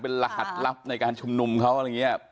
เป็นรหัสลับในการชุมนุมเขาแบบนี้